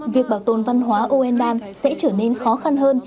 việc bảo tồn văn hóa oendan sẽ trở nên khó khăn hơn